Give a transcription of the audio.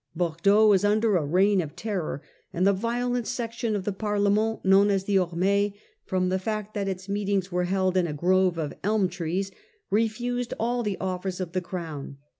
Bordeaux was under a Submission rei £ n terror > an ^ the violent section of its of the Par lenient, known as the Ormle , from the fact provinces, its meetings were held in a grove of elm trees, refused all the offers of the Crown.